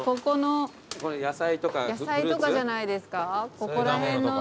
ここら辺の。